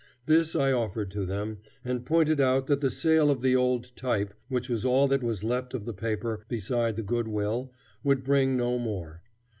This I offered to them, and pointed out that the sale of the old type, which was all that was left of the paper beside the goodwill, would bring no more.